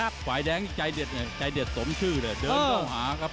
ขวายแดงใจเด็ดเนี่ยใจเด็ดสมชื่อเลย